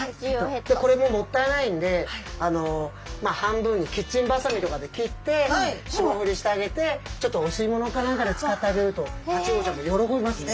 これももったいないんで半分にキッチンばさみとかで切って霜降りしてあげてちょっとお吸い物かなんかで使ってあげるとタチウオちゃんも喜びますね